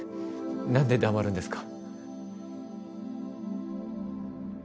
何で黙るんですか。